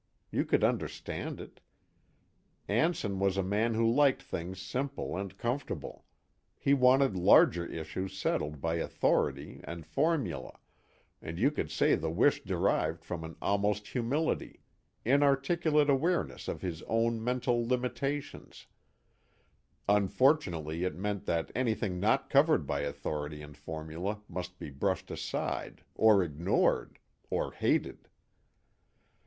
You could understand it. Anson was a man who liked things simple and comfortable; he wanted larger issues settled by authority and formula, and you could say the wish derived from an honest humility, inarticulate awareness of his own mental limitations; unfortunately it meant that anything not covered by authority and formula must be brushed aside, or ignored or hated.